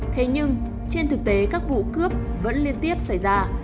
thế nhưng trên thực tế các vụ cướp vẫn liên tiếp xảy ra